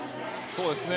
そうですね。